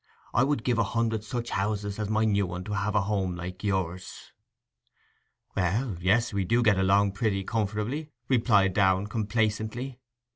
I would give a hundred such houses as my new one to have a home like yours.' 'Well—yes, we get along pretty comfortably,' replied Downe complacently.